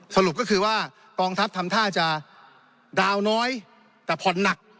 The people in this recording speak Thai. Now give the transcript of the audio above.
สรุปก็คือว่ากองทัพทำท่าจะดาวน์น้อยแต่ผ่อนหนัก